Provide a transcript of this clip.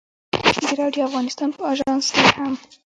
د راډیو افغانستان په اژانس کې هم.